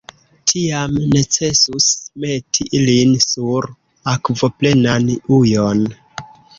Tiam necesus meti ilin sur akvoplenan ujon.